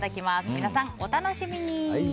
皆さん、お楽しみに。